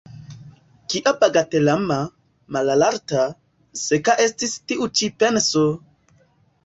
Kia bagatelama, malalta, seka estis tiu ĉi penso!